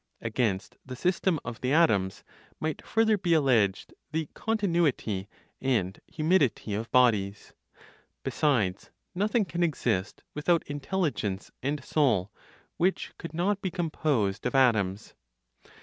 (Against the system of the atoms) might further be alleged the continuity and humidity of bodies. Besides nothing can exist without intelligence and soul, which could not be composed of atoms.